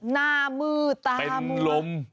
หน้ามืดตามืดเป็นลม